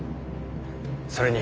それに。